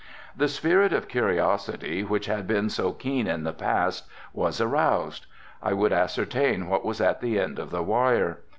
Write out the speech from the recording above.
The spirit of curiosity, which had been so keen in the past, was aroused. I would ascertain what was at the end of the wire.